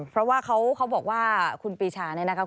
เพราะว่าเขาบอกว่าคุณปีชาเนี่ยนะครับ